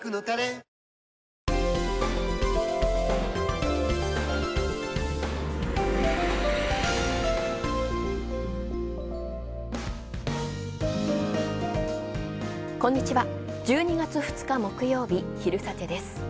１２月２日木曜日、「昼サテ」です。